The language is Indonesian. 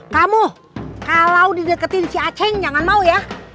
kamu kalau dideketin si acing jangan mau ya